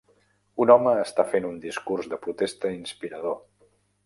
Un home està fent un discurs de protesta inspirador